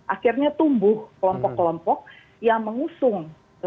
akhirnya tumbuh kelompok kelompok yang mengusung